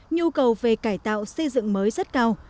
nhu cầu về cải tạo xây dựng mới rất cao